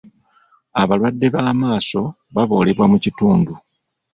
Abalwadde b'amaaso baboolebwa mu kitundu.